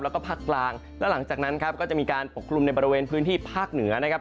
แล้วก็ภาคกลางแล้วหลังจากนั้นครับก็จะมีการปกคลุมในบริเวณพื้นที่ภาคเหนือนะครับ